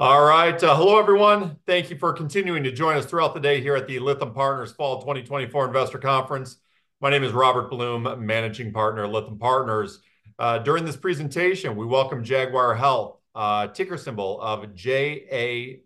All right. Hello, everyone. Thank you for continuing to join us throughout the day here at the Lytham Partners Fall 2024 Investor Conference. My name is Robert Blum, Managing Partner at Lytham Partners. During this presentation, we welcome Jaguar Health, ticker symbol of JAGX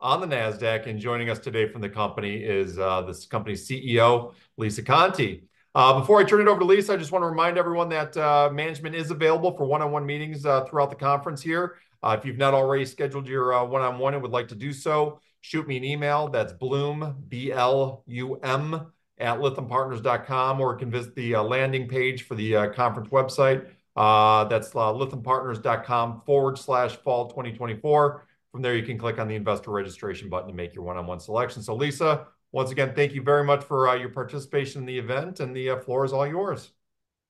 on the Nasdaq, and joining us today from the company is this company's CEO, Lisa Conte. Before I turn it over to Lisa, I just want to remind everyone that management is available for one-on-one meetings throughout the conference here. If you've not already scheduled your one-on-one and would like to do so, shoot me an email. That's blum, B-L-U-M, @lythampartners.com, or you can visit the landing page for the conference website. That's lythampartners.com/fall2024. From there, you can click on the Investor Registration button to make your one-on-one selection. So Lisa, once again, thank you very much for your participation in the event, and the floor is all yours.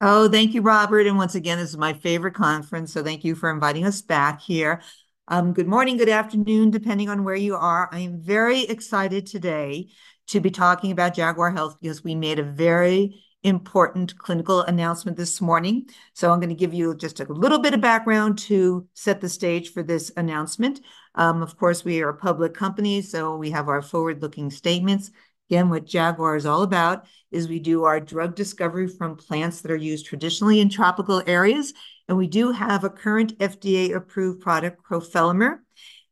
Oh, thank you, Robert, and once again, this is my favorite conference, so thank you for inviting us back here. Good morning, good afternoon, depending on where you are. I am very excited today to be talking about Jaguar Health, because we made a very important clinical announcement this morning. So I'm going to give you just a little bit of background to set the stage for this announcement. Of course, we are a public company, so we have our forward-looking statements. Again, what Jaguar is all about is we do our drug discovery from plants that are used traditionally in tropical areas, and we do have a current FDA-approved product, crofelemer,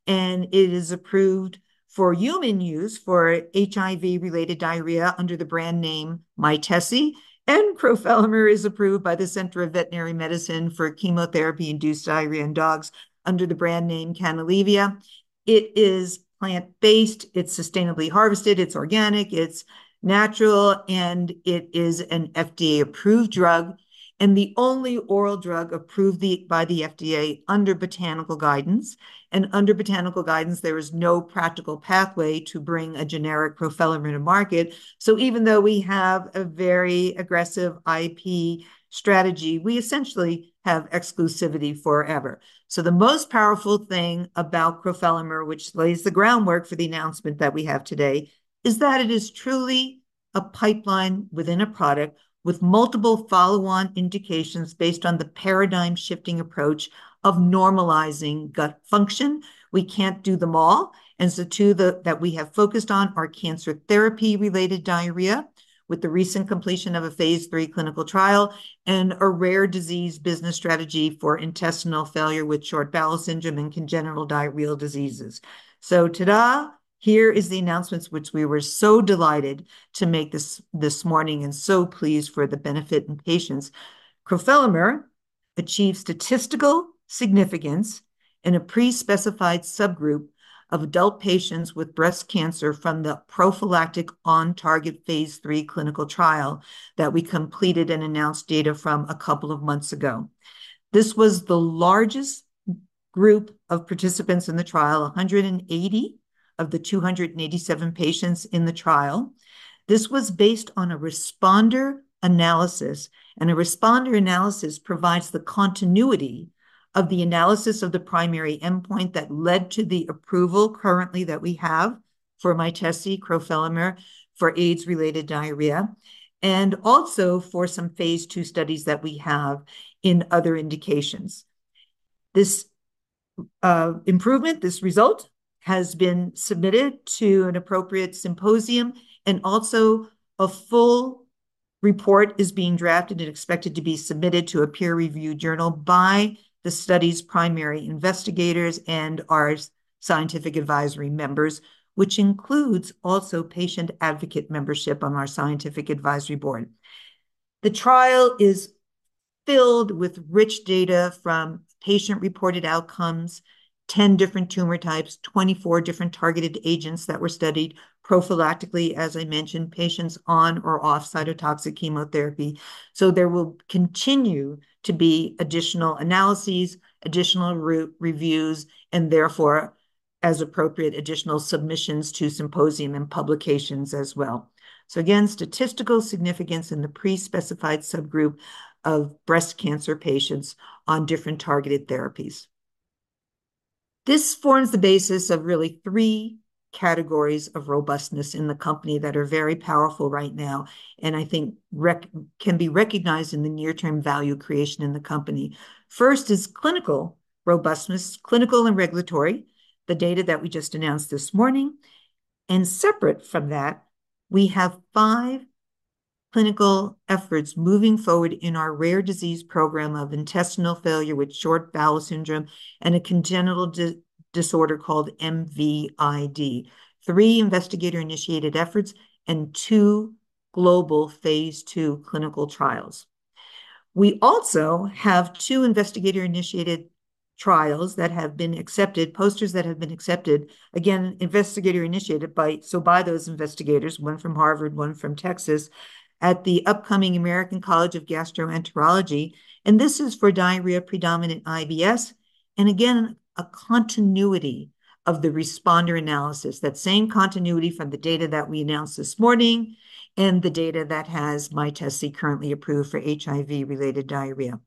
and it is approved for human use for HIV-related diarrhea under the brand name Mytesi, and crofelemer is approved by the Center for Veterinary Medicine for chemotherapy-induced diarrhea in dogs under the brand name Canalevia. It is plant-based, it's sustainably harvested, it's organic, it's natural, and it is an FDA-approved drug, and the only oral drug approved by the FDA under botanical guidance. And under botanical guidance, there is no practical pathway to bring a generic crofelemer to market. So even though we have a very aggressive IP strategy, we essentially have exclusivity forever. So the most powerful thing about crofelemer, which lays the groundwork for the announcement that we have today, is that it is truly a pipeline within a product, with multiple follow-on indications based on the paradigm-shifting approach of normalizing gut function. We can't do them all, and so two that we have focused on are cancer therapy-related diarrhea, with the recent completion of a phase III clinical trial, and a rare disease business strategy for intestinal failure with short bowel syndrome and congenital diarrheal diseases. So ta-da! Here are the announcements which we were so delighted to make this morning, and so pleased for the benefit in patients. Crofelemer achieved statistical significance in a pre-specified subgroup of adult patients with breast cancer from the prophylactic OnTarget phase III clinical trial that we completed and announced data from a couple of months ago. This was the largest group of participants in the trial, 180 of the 287 patients in the trial. This was based on a responder analysis, and a responder analysis provides the continuity of the analysis of the primary endpoint that led to the approval currently that we have for Mytesi, crofelemer for AIDS-related diarrhea, and also for some phase II studies that we have in other indications. This improvement, this result, has been submitted to an appropriate symposium, and also a full report is being drafted and expected to be submitted to a peer-review journal by the study's primary investigators and our scientific advisory members, which includes also patient advocate membership on our scientific advisory board. The trial is filled with rich data from patient-reported outcomes, ten different tumor types, twenty-four different targeted agents that were studied prophylactically, as I mentioned, patients on or off cytotoxic chemotherapy. So there will continue to be additional analyses, additional reviews, and therefore, as appropriate, additional submissions to symposium and publications as well. So again, statistical significance in the pre-specified subgroup of breast cancer patients on different targeted therapies. This forms the basis of really three categories of robustness in the company that are very powerful right now, and I think rec— Can be recognized in the near-term value creation in the company. First is clinical robustness, clinical and regulatory, the data that we just announced this morning, and separate from that, we have five clinical efforts moving forward in our rare disease program of intestinal failure with short bowel syndrome and a congenital disorder called MVID. Three investigator-initiated efforts and two global phase II clinical trials. We also have two investigator-initiated trials that have been accepted, posters that have been accepted. Again, investigator-initiated by, so by those investigators, one from Harvard, one from Texas, at the upcoming American College of Gastroenterology, and this is for diarrhea-predominant IBS, and again, a continuity of the responder analysis, that same continuity from the data that we announced this morning, and the data that has Mytesi currently approved for HIV-related diarrhea.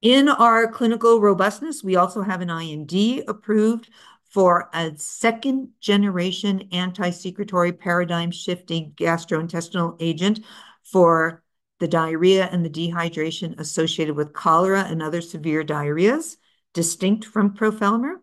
In our clinical robustness, we also have an IND approved for a second-generation, anti-secretory, paradigm-shifting gastrointestinal agent for the diarrhea and the dehydration associated with cholera and other severe diarrheas, distinct from crofelemer.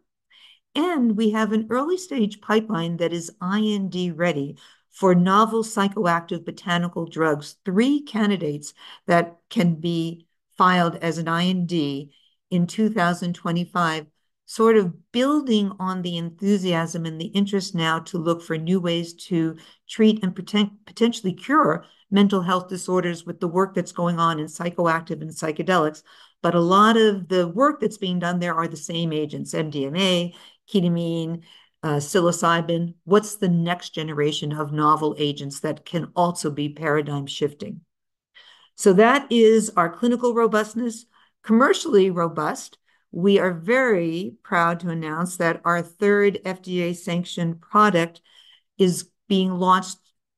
And we have an early-stage pipeline that is IND-ready for novel psychoactive botanical drugs, three candidates that can be filed as an IND in 2025. Sort of building on the enthusiasm and the interest now to look for new ways to treat and potentially cure mental health disorders with the work that's going on in psychoactive and psychedelics. But a lot of the work that's being done there are the same agents: MDMA, ketamine, psilocybin. What's the next generation of novel agents that can also be paradigm-shifting? So that is our clinical robustness. Commercially robust, we are very proud to announce that our third FDA-sanctioned product is being launched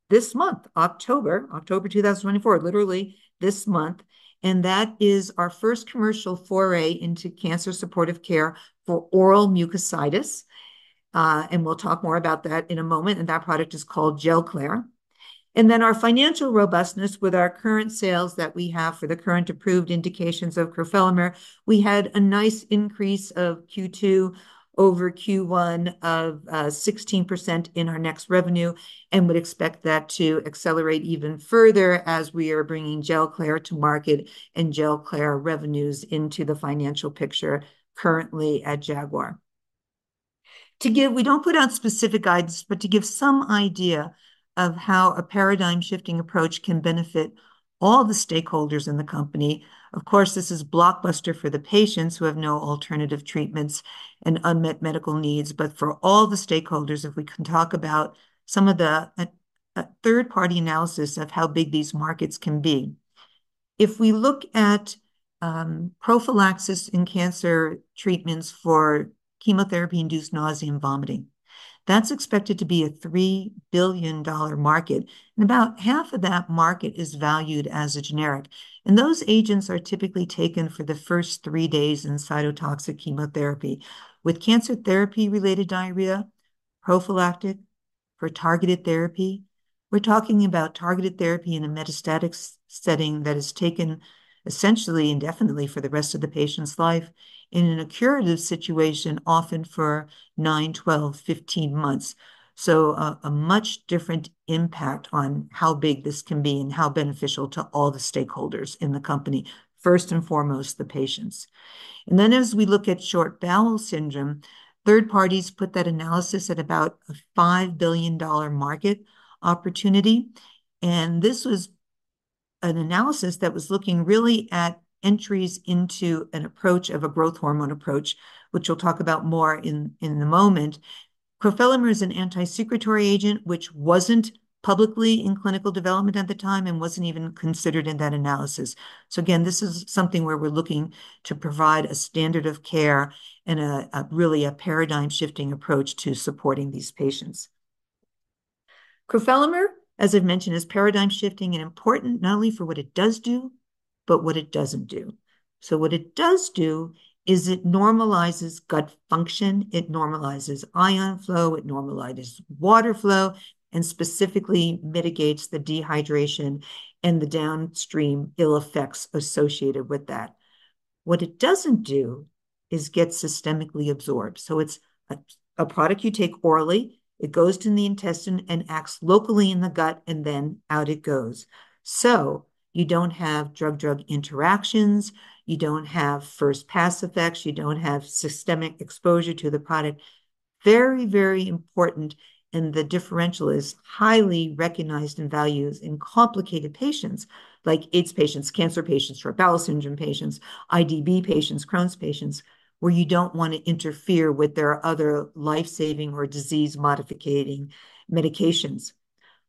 this month, October, October 2024, literally this month, and that is our first commercial foray into cancer-supportive care for oral mucositis. And we'll talk more about that in a moment, and that product is called GelClair. And then, our financial robustness with our current sales that we have for the current approved indications of crofelemer, we had a nice increase of Q2 over Q1 of 16% in our net revenue, and would expect that to accelerate even further as we are bringing GelClair to market and GelClair revenues into the financial picture currently at Jaguar. We don't put out specific guides, but to give some idea of how a paradigm-shifting approach can benefit all the stakeholders in the company. Of course, this is blockbuster for the patients who have no alternative treatments and unmet medical needs, but for all the stakeholders, if we can talk about some of the third-party analysis of how big these markets can be. If we look at prophylaxis in cancer treatments for chemotherapy-induced nausea and vomiting, that's expected to be a $3 billion market, and about $1.5 billion of that market is valued as a generic. And those agents are typically taken for the first three days in cytotoxic chemotherapy. With cancer therapy-related diarrhea, prophylactic for targeted therapy, we're talking about targeted therapy in a metastatic setting that is taken essentially indefinitely for the rest of the patient's life, in a curative situation, often for nine, 12, 15 months. A much different impact on how big this can be and how beneficial to all the stakeholders in the company, first and foremost, the patients. And then, as we look at short bowel syndrome, third parties put that analysis at about a $5 billion market opportunity, and this was an analysis that was looking really at entries into an approach of a growth hormone approach, which we'll talk about more in a moment. Crofelemer is an anti-secretory agent, which wasn't publicly in clinical development at the time and wasn't even considered in that analysis. Again, this is something where we're looking to provide a standard of care and a really paradigm-shifting approach to supporting these patients. Crofelemer, as I've mentioned, is paradigm shifting and important not only for what it does do, but what it doesn't do. So what it does do is it normalizes gut function, it normalizes ion flow, it normalizes water flow, and specifically mitigates the dehydration and the downstream ill effects associated with that. What it doesn't do is get systemically absorbed. So it's a product you take orally, it goes to the intestine and acts locally in the gut, and then out it goes. So you don't have drug-drug interactions, you don't have first-pass effects, you don't have systemic exposure to the product. Very, very important, and the differential is highly recognized and valued in complicated patients like AIDS patients, cancer patients, short bowel syndrome patients, IBD patients, Crohn's patients, where you don't want to interfere with their other life-saving or disease-modifying medications.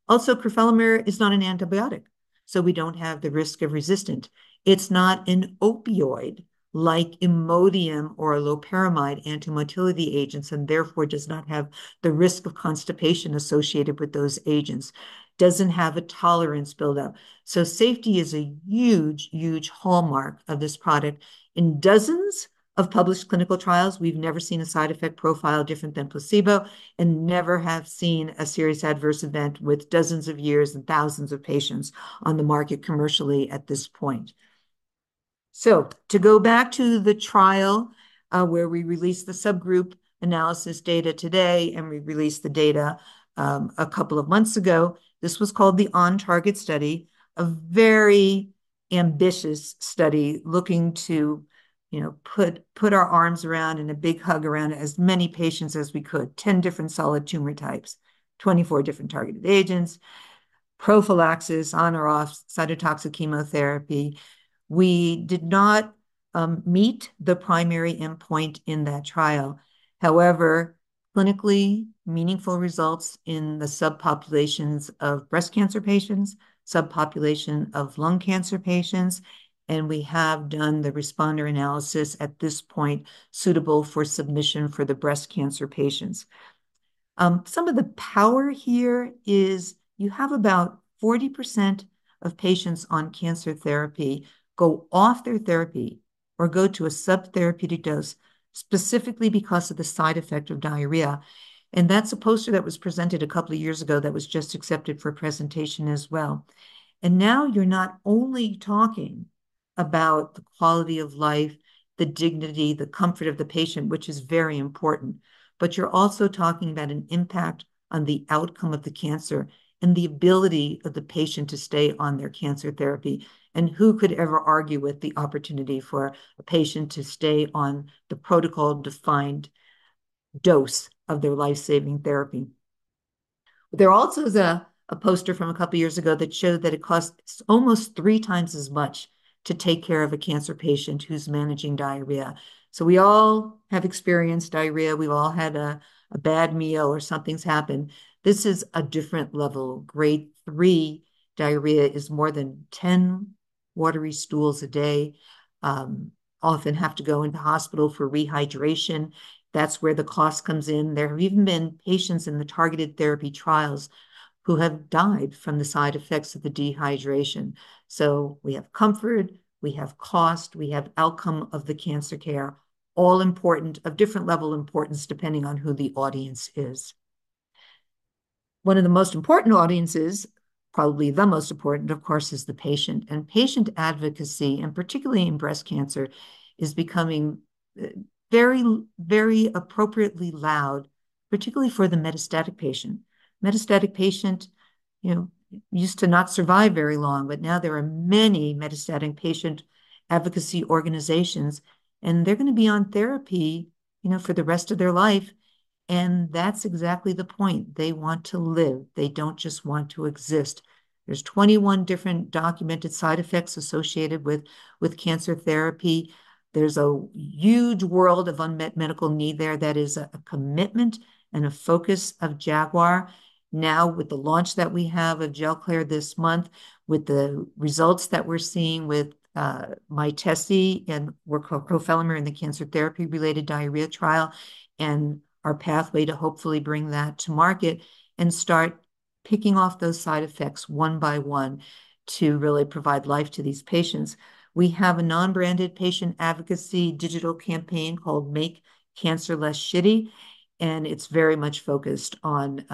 Also, crofelemer is not an antibiotic, so we don't have the risk of resistance. It's not an opioid, like Imodium or loperamide, antimotility agents, and therefore does not have the risk of constipation associated with those agents. Doesn't have a tolerance build-up, so safety is a huge, huge hallmark of this product. In dozens of published clinical trials, we've never seen a side effect profile different than placebo and never have seen a serious adverse event with dozens of years and thousands of patients on the market commercially at this point. So to go back to the trial, where we released the subgroup analysis data today, and we released the data, a couple of months ago, this was called the OnTarget study, a very ambitious study looking to, you know, put our arms around and a big hug around as many patients as we could: 10 different solid tumor types, 24 different targeted agents, prophylaxis on or off cytotoxic chemotherapy. We did not meet the primary endpoint in that trial. However, clinically meaningful results in the subpopulations of breast cancer patients, subpopulation of lung cancer patients, and we have done the responder analysis at this point, suitable for submission for the breast cancer patients. Some of the power here is, you have about 40% of patients on cancer therapy go off their therapy or go to a subtherapeutic dose, specifically because of the side effect of diarrhea. That's a poster that was presented a couple of years ago that was just accepted for presentation as well. Now you're not only talking about the quality of life, the dignity, the comfort of the patient, which is very important, but you're also talking about an impact on the outcome of the cancer and the ability of the patient to stay on their cancer therapy. And who could ever argue with the opportunity for a patient to stay on the protocol-defined dose of their life-saving therapy? There also is a poster from a couple of years ago that showed that it costs almost 3x as much to take care of a cancer patient who's managing diarrhea. So we all have experienced diarrhea. We've all had a bad meal or something's happened. This is a different level. Grade 3 diarrhea is more than 10 watery stools a day, often have to go into hospital for rehydration. That's where the cost comes in. There have even been patients in the targeted therapy trials who have died from the side effects of the dehydration. So we have comfort, we have cost, we have outcome of the cancer care, all important, of different level importance, depending on who the audience is. One of the most important audiences, probably the most important, of course, is the patient. And patient advocacy, and particularly in breast cancer, is becoming very, very appropriately loud, particularly for the metastatic patient. Metastatic patient, you know, used to not survive very long, but now there are many metastatic patient advocacy organizations, and they're gonna be on therapy, you know, for the rest of their life. And that's exactly the point. They want to live. They don't just want to exist. There's 21 different documented side effects associated with cancer therapy. There's a huge world of unmet medical need there. That is a commitment and a focus of Jaguar. Now, with the launch that we have of GelClair this month, with the results that we're seeing with Mytesi and with crofelemer in the cancer therapy-related diarrhea trial, and our pathway to hopefully bring that to market and start picking off those side effects one by one, to really provide life to these patients. We have a non-branded patient advocacy digital campaign called Make Cancer Less Shitty, and it's very much focused on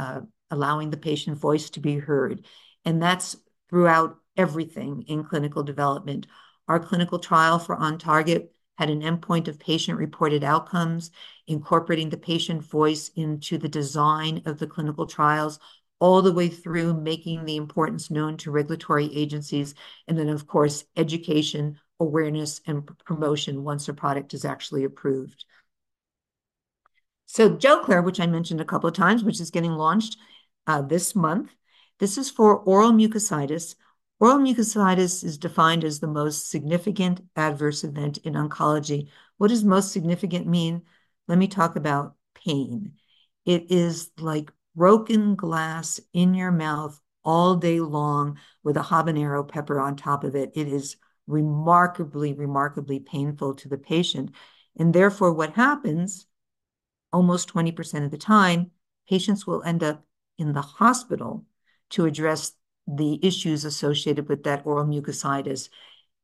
allowing the patient voice to be heard, and that's throughout everything in clinical development. Our clinical trial for OnTarget had an endpoint of patient-reported outcomes, incorporating the patient voice into the design of the clinical trials, all the way through, making the importance known to regulatory agencies, and then, of course, education, awareness, and promotion once a product is actually approved. GelClair, which I mentioned a couple of times, which is getting launched this month, this is for oral mucositis. Oral mucositis is defined as the most significant adverse event in oncology. What does most significant mean? Let me talk about pain. It is like broken glass in your mouth all day long with a habanero pepper on top of it. It is remarkably, remarkably painful to the patient. Therefore, what happens, almost 20% of the time, patients will end up in the hospital to address the issues associated with that oral mucositis.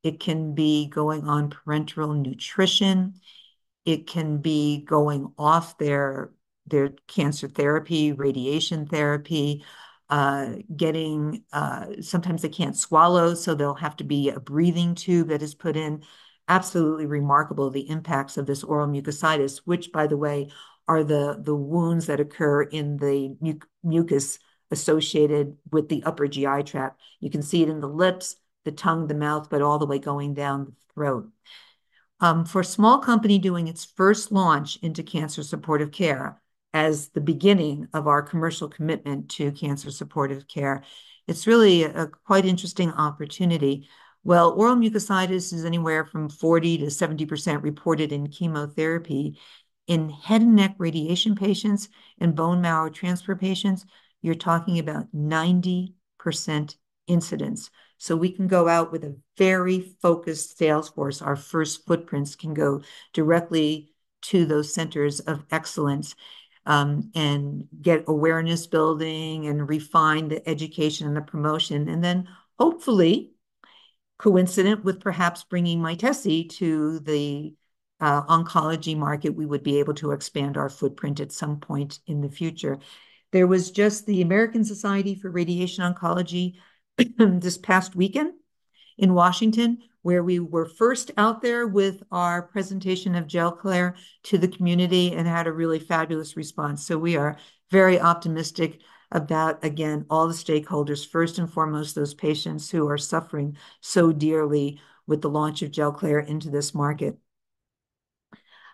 It can be going on parenteral nutrition. It can be going off their cancer therapy, radiation therapy. Sometimes they can't swallow, so there'll have to be a breathing tube that is put in. Absolutely remarkable, the impacts of this oral mucositis, which, by the way, are the wounds that occur in the mucus associated with the upper GI tract. You can see it in the lips, the tongue, the mouth, but all the way going down the throat. For a small company doing its first launch into cancer supportive care as the beginning of our commercial commitment to cancer supportive care, it's really a quite interesting opportunity. Well, oral mucositis is anywhere from 40% to 70% reported in chemotherapy. In head and neck radiation patients and bone marrow transplant patients, you're talking about 90% incidence. So we can go out with a very focused sales force. Our first footprints can go directly to those centers of excellence, and get awareness building and refine the education and the promotion, and then hopefully, coincident with perhaps bringing Mytesi to the oncology market, we would be able to expand our footprint at some point in the future. There was just the American Society for Radiation Oncology, this past weekend in Washington, where we were first out there with our presentation of GelClair to the community and had a really fabulous response. So we are very optimistic about, again, all the stakeholders, first and foremost, those patients who are suffering so dearly with the launch of GelClair into this market.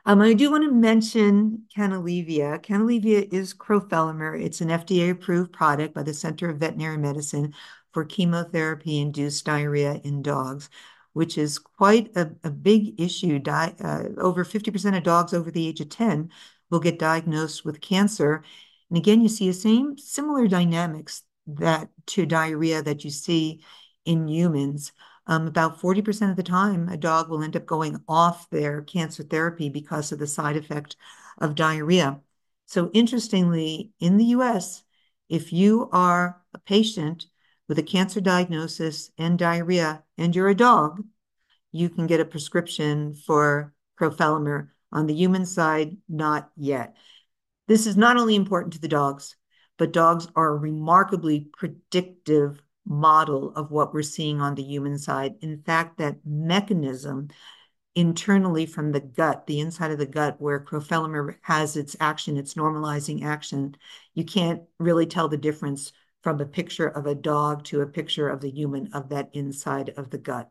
I do wanna mention Canalevia. Canalevia is crofelemer. It's an FDA-approved product by the Center for Veterinary Medicine for chemotherapy-induced diarrhea in dogs, which is quite a big issue. Over 50% of dogs over the age of ten will get diagnosed with cancer. And again, you see the same similar dynamics that to diarrhea that you see in humans. About 40% of the time, a dog will end up going off their cancer therapy because of the side effect of diarrhea. So interestingly, in the U.S., if you are a patient with a cancer diagnosis and diarrhea, and you're a dog, you can get a prescription for crofelemer. On the human side, not yet. This is not only important to the dogs, but dogs are a remarkably predictive model of what we're seeing on the human side. In fact, that mechanism internally from the gut, the inside of the gut, where crofelemer has its action, its normalizing action, you can't really tell the difference from a picture of a dog to a picture of the human of that inside of the gut.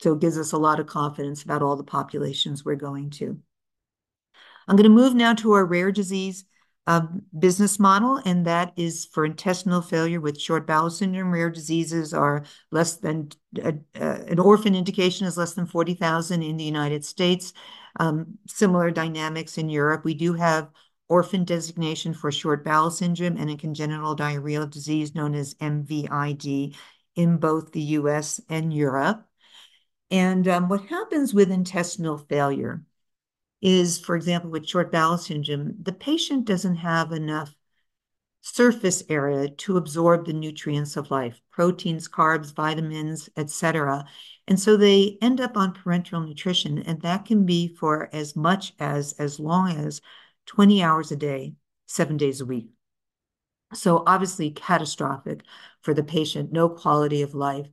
So it gives us a lot of confidence about all the populations we're going to. I'm gonna move now to our rare disease business model, and that is for intestinal failure with short bowel syndrome. Rare diseases are less than, an orphan indication is less than forty thousand in the United States. Similar dynamics in Europe. We do have orphan designation for short bowel syndrome and a congenital diarrheal disease known as MVID in both the U.S. and Europe. What happens with intestinal failure is, for example, with short bowel syndrome, the patient doesn't have enough surface area to absorb the nutrients of life, proteins, carbs, vitamins, et cetera. They end up on parenteral nutrition, and that can be for as much as, as long as 20 hours a day, 7 days a week. Obviously catastrophic for the patient, no quality of life.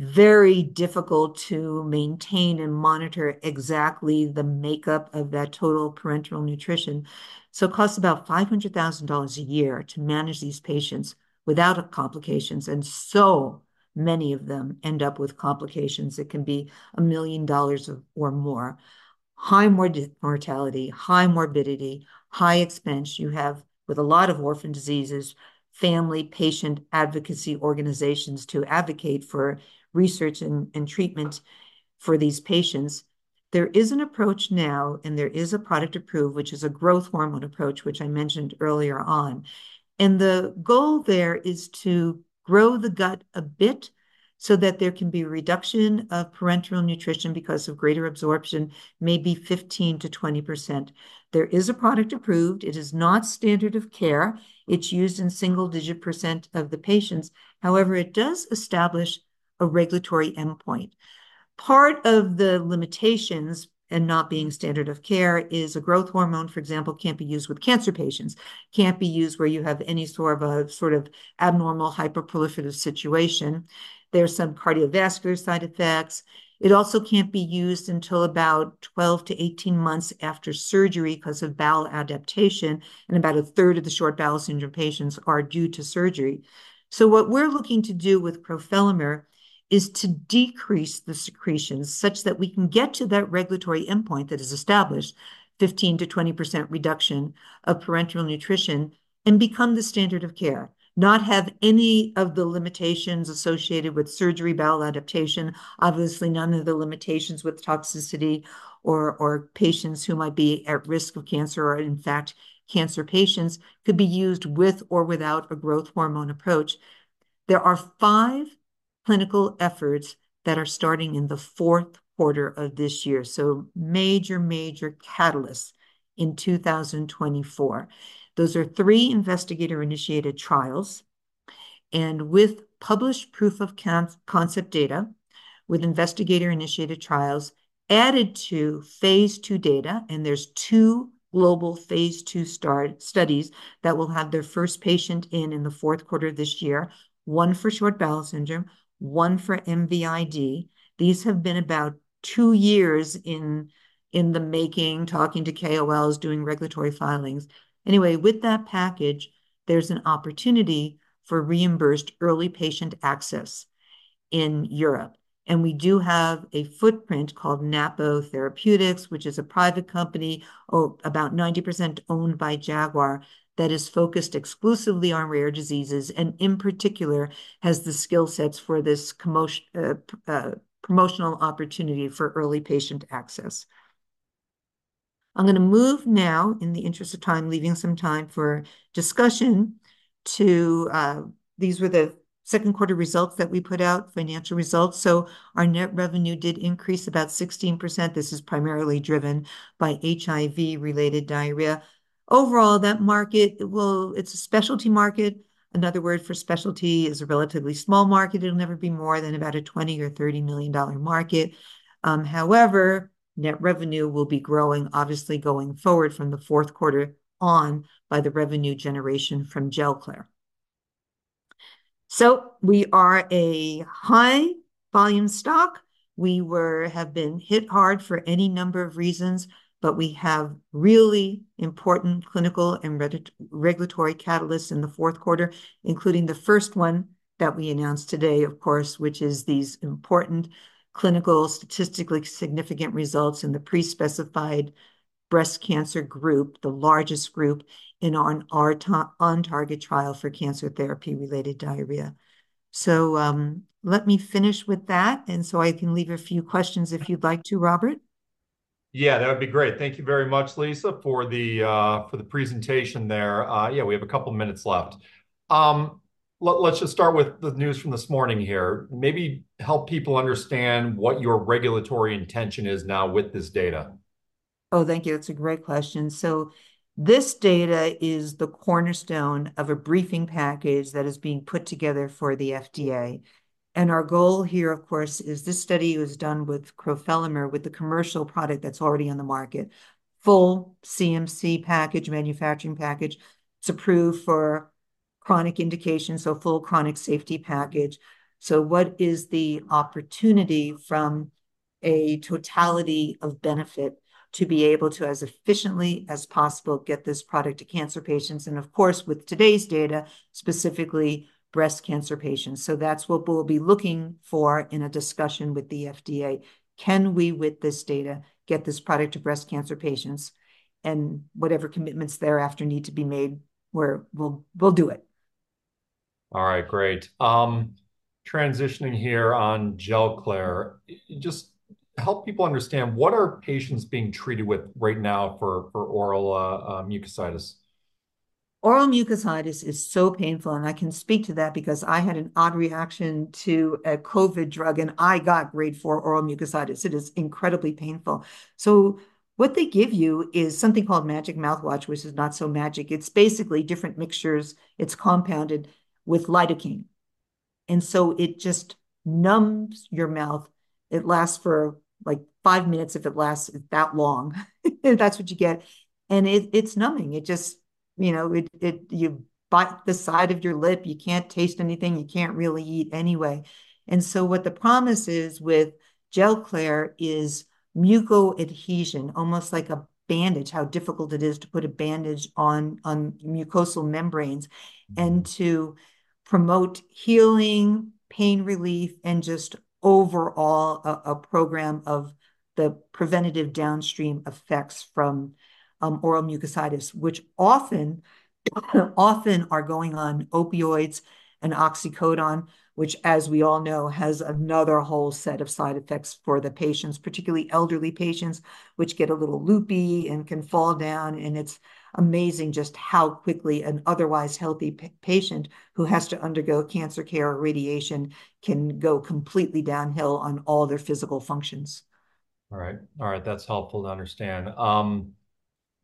Very difficult to maintain and monitor exactly the makeup of that total parenteral nutrition. It costs about $500,000 a year to manage these patients without complications, and so many of them end up with complications. It can be $1 million or more. High mortality, high morbidity, high expense. You have, with a lot of orphan diseases, family, patient advocacy organizations to advocate for research and treatment for these patients. There is an approach now, and there is a product approved, which is a growth hormone approach, which I mentioned earlier on. The goal there is to grow the gut a bit, so that there can be a reduction of parenteral nutrition because of greater absorption, maybe 15%-20%. There is a product approved. It is not standard of care. It's used in single-digit % of the patients. However, it does establish a regulatory endpoint. Part of the limitations in not being standard of care is a growth hormone, for example, can't be used with cancer patients, can't be used where you have any sort of a, sort of abnormal hyperproliferative situation. There are some cardiovascular side effects. It also can't be used until about 12-18 months after surgery 'cause of bowel adaptation, and about a third of the short bowel syndrome patients are due to surgery. So what we're looking to do with crofelemer is to decrease the secretions such that we can get to that regulatory endpoint that is established, 15%-20% reduction of parenteral nutrition, and become the standard of care. Not have any of the limitations associated with surgery bowel adaptation. Obviously, none of the limitations with toxicity or, or patients who might be at risk of cancer, or in fact, cancer patients, could be used with or without a growth hormone approach. There are five clinical efforts that are starting in the fourth quarter of this year, so major, major catalysts in 2024. Those are three investigator-initiated trials, and with published proof of concept data, with investigator-initiated trials added to phase 2 data, and there's two global phase II studies that will have their first patient in the fourth quarter of this year, one for short bowel syndrome, one for MVID. These have been about two years in the making, talking to KOLs, doing regulatory filings. Anyway, with that package, there's an opportunity for reimbursed early patient access in Europe, and we do have a footprint called Napo Therapeutics, which is a private company, about 90% owned by Jaguar, that is focused exclusively on rare diseases, and in particular, has the skill sets for this commercial promotional opportunity for early patient access. I'm gonna move now, in the interest of time, leaving some time for discussion, to— These were the second quarter results that we put out, financial results, so our net revenue did increase about 16%. This is primarily driven by HIV-related diarrhea. Overall, that market, well, it's a specialty market. Another word for specialty is a relatively small market. It'll never be more than about a $20- or $30-million market. However, net revenue will be growing, obviously going forward from the fourth quarter on by the revenue generation from GelClair. So we are a high-volume stock. We have been hit hard for any number of reasons, but we have really important clinical and regulatory catalysts in the fourth quarter, including the first one that we announced today, of course, which is these important clinical, statistically significant results in the pre-specified breast cancer group, the largest group in our OnTarget trial for cancer therapy-related diarrhea. So, let me finish with that, and so I can leave a few questions if you'd like to, Robert. Yeah, that would be great. Thank you very much, Lisa, for the presentation there. Yeah, we have a couple minutes left. Let's just start with the news from this morning here. Maybe help people understand what your regulatory intention is now with this data. Oh, thank you. That's a great question, so this data is the cornerstone of a briefing package that is being put together for the FDA, and our goal here, of course, is this study was done with crofelemer, with the commercial product that's already on the market. Full CMC package, manufacturing package. It's approved for chronic indications, so full chronic safety package, so what is the opportunity from a totality of benefit to be able to, as efficiently as possible, get this product to cancer patients, and of course, with today's data, specifically breast cancer patients, so that's what we'll be looking for in a discussion with the FDA. Can we, with this data, get this product to breast cancer patients, and whatever commitments thereafter need to be made, we'll do it. All right, great. Transitioning here on GelClair, just help people understand, what are patients being treated with right now for oral mucositis? Oral mucositis is so painful, and I can speak to that because I had an odd reaction to a COVID drug, and I got Grade 4 oral mucositis. It is incredibly painful. So what they give you is something called magic mouthwash, which is not so magic. It's basically different mixtures. It's compounded with lidocaine, and so it just numbs your mouth. It lasts for, like, five minutes, if it lasts that long. That's what you get, and it's numbing. It just, you know, you bite the side of your lip. You can't taste anything. You can't really eat anyway. And so what the promise is with GelClair is muco-adhesion, almost like a bandage, how difficult it is to put a bandage on mucosal membranes, and to promote healing, pain relief, and just overall a program of the preventative downstream effects from oral mucositis, which often are going on opioids and oxycodone, which, as we all know, has another whole set of side effects for the patients, particularly elderly patients, which get a little loopy and can fall down. It's amazing just how quickly an otherwise healthy patient who has to undergo cancer care or radiation can go completely downhill on all their physical functions. All right. All right, that's helpful to understand.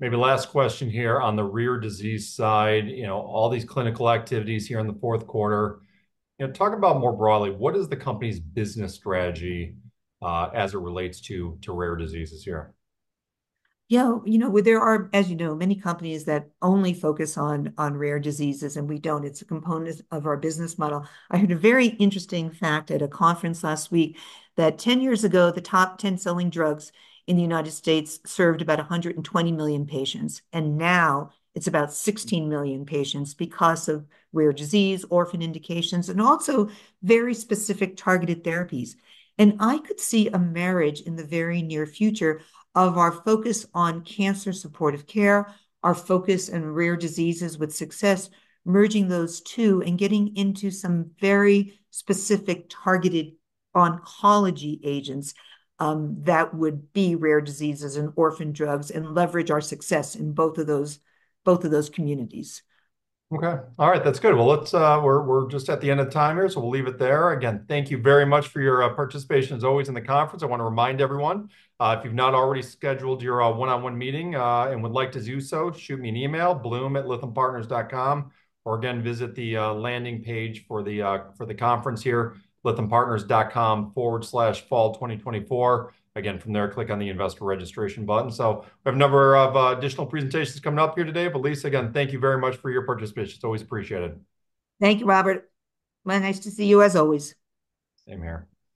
Maybe last question here. On the rare disease side, you know, all these clinical activities here in the fourth quarter, you know, talk about more broadly, what is the company's business strategy, as it relates to rare diseases here? Yeah, you know, well, there are, as you know, many companies that only focus on rare diseases, and we don't. It's a component of our business model. I heard a very interesting fact at a conference last week, that ten years ago, the top ten selling drugs in the United States served about a 120 million patients, and now it's about 16 million patients because of rare disease, orphan indications, and also very specific targeted therapies, and I could see a marriage in the very near future of our focus on cancer supportive care, our focus on rare diseases with success, merging those two and getting into some very specific, targeted oncology agents, that would be rare diseases and orphan drugs, and leverage our success in both of those communities. Okay. All right, that's good. Well, let's. We're just at the end of time here, so we'll leave it there. Again, thank you very much for your participation, as always, in the conference. I wanna remind everyone, if you've not already scheduled your one-on-one meeting, and would like to do so, shoot me an email, Blum@lythampartners.com, or again, visit the landing page for the conference here, lythampartners.com/fall2024. Again, from there, click on the Investor Registration button. So we have a number of additional presentations coming up here today, but Lisa, again, thank you very much for your participation. It's always appreciated. Thank you, Robert. Well, nice to see you, as always. Same here. Bye.